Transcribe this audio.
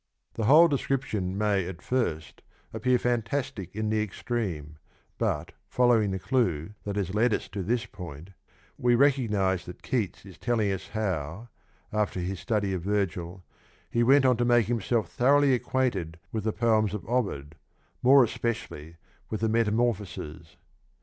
The whole descrip tion may at first appear fantastic in the extreme, but, following the clue that has led us to this point, we recognise that Keats is telling us how, after his study of Virgil, he went on to make himself thoroughly acquainted with the poems of Ovid, more especially with the Metamorphoses.